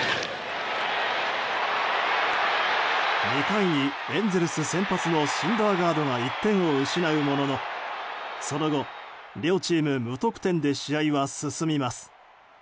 ２回にエンゼルス先発のシンダーガードが１点を失うもののその後、両チーム無得点で試合は進みます。